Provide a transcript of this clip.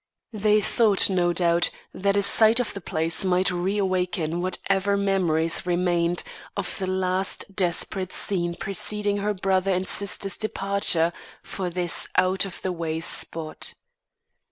They thought, no doubt, that a sight of the place might reawaken whatever memories remained of the last desperate scene preceding her brother and sister's departure for this out of the way spot.